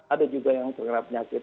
ada juga yang terkena penyakit